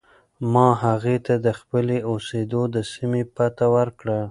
ما هغې ته د خپلې اوسېدو د سیمې پته ورکړه.